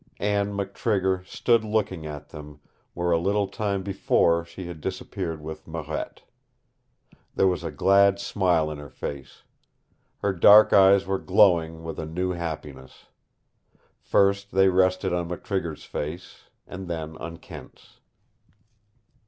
Anne McTrigger stood looking at them where a little time before she had disappeared with Marette. There was a glad smile in her face. Her dark eyes were glowing with a new happiness. First they rested on McTrigger's face, and then on Kent's.